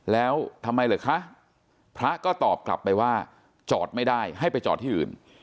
แล้วทำไมเหรอคะพระก็ตอบกลับไปว่าจอดไม่ได้ให้ไปจอดที่อื่น